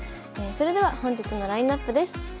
それでは本日のラインナップです。